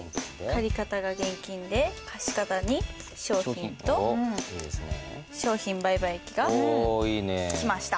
借方が現金で貸方に商品と商品売買益が来ました。